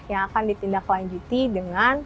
yang akan ditindaklanjuti dengan